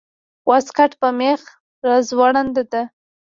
واسکټ په مېخ راځوړند ده